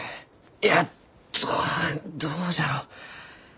いやどどうじゃろう？